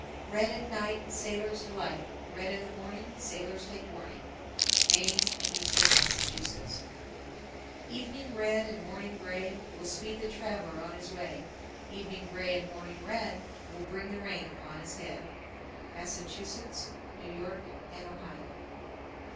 981. Red at night Sailor's delight; Red in the morning, Sailors take warning. Maine and Eastern Massachusetts. 982. Evening red and morning gray Will speed the traveler on his way. Evening gray and morning red Will bring the rain upon his head. _Massachusetts, New York, and Ohio.